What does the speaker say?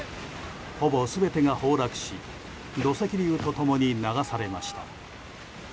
ほぼ全てが崩落し土石流と共に流されました。